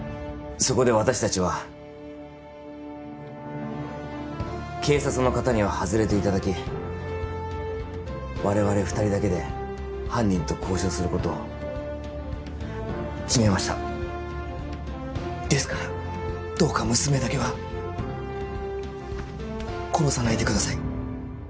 そこで私達は警察の方には外れていただき我々二人だけで犯人と交渉することを決めましたですからどうか娘だけは殺さないでください